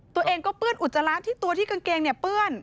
ตัวเองก็เปื้อนอุจจาระที่ตัวที่กางเกงเนี่ยเปื้อน